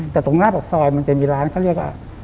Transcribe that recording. แต่ตรงหน้าปากซอยมันจะมีร้านเขาเรียกว่า